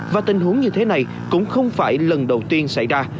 và tình huống như thế này cũng không phải lần đầu tiên xảy ra